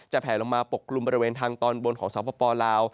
จะแผ่ลงมาปกกลุ่มบริเวณทางตอนบนของเซาะปอปอลาว